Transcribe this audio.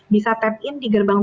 bisa tap in di gerbang